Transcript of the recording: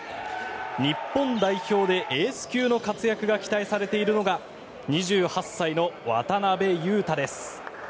日本代表でエース級の活躍が期待されているのが２８歳の渡邊雄太です。